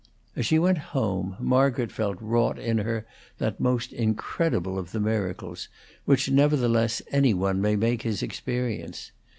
As she went home Margaret felt wrought in her that most incredible of the miracles, which, nevertheless, any one may make his experience.